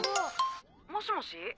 もしもし。